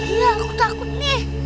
iya aku takut nih